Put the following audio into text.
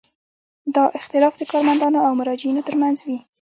دا اختلاف د کارمندانو او مراجعینو ترمنځ وي.